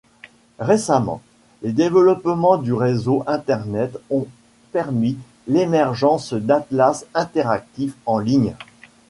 Récemment, les développements du réseau Internet ont permis l'émergence d'atlas interactifs en ligne.